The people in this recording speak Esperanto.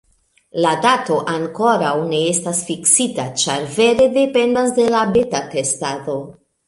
La dato ankoraŭ ne estas fiksita ĉar vere dependas de la beta testado